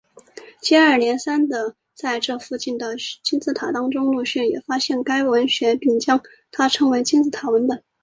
接二连三的在这附近的金字塔当中陆续了也发现了该文字并将它称为金字塔文本。